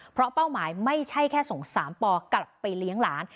เพราะเป้าหมายไม่ใช่แค่ส่ง๓ปอกลับไปเลี้ยงหลาน